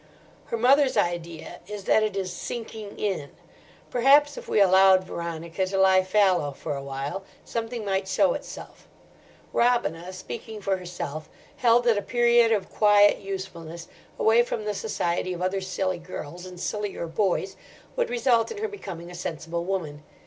Her mother's idea is that it is "sinking in." Perhaps if we allowed Veronica to lie fallow for awhile, something might show itself. Robina, speaking for herself, held that a period of quiet usefulness, away from the society of other silly girls and sillier boys, would result in her becoming a sensible woman.